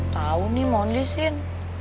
tau nih mondi sih